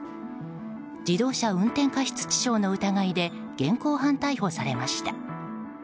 自動車運転過失致傷の疑いで現行犯逮捕されました。